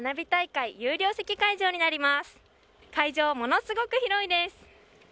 会場は、ものすごく広いです。